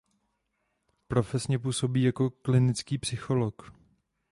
Profesně působí jako klinický psycholog.